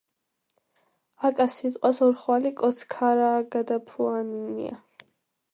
აკა სიტყვას ორხვალი კოც ქაარაგადაფუანანია